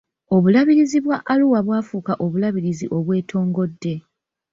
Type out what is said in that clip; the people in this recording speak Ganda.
Obulabirizi bwa Arua bwafuuka obulabirizi obwetongodde.